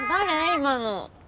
今の。